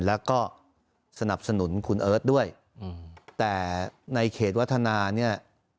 แล้วก็สนับสนุนคุณเอิร์ทด้วยแต่ในเขตวัฒนาเนี่ย